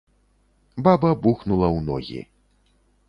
Баба бухнула ў ногі.